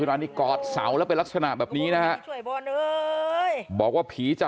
ร้านนี้กอดเสาแล้วเป็นลักษณะแบบนี้นะฮะบอกว่าผีจะ